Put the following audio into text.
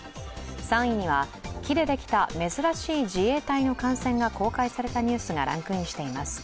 ３位には、木でできた珍しい自衛隊の艦船が公開されたニュースがランクインしています。